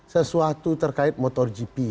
sesuatu terkait motor gp